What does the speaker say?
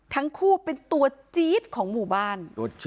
ทั้งคู่เป็นตัวจี๊ดของหมู่บ้าน